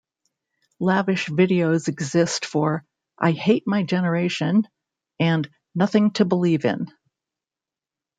Lavish videos exist for "I Hate My Generation" and "Nothing to Believe In.